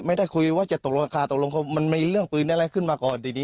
ไม่ได้คุยว่าจะตกลงราคาตกลงมันมีเรื่องปืนอะไรขึ้นมาก่อนดี